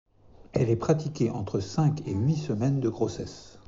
Elle est pratiquée entre cinq et huit semaines de grossesse.